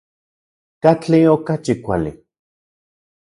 ¿Katli okachi kuali?